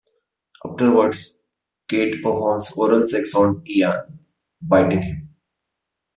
Afterwards, Cate performs oral sex on Ian, biting him.